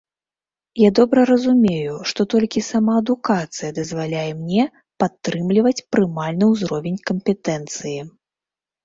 Я добра разумею, што толькі самаадукацыя дазваляе мне падтрымліваць прымальны ўзровень кампетэнцыі.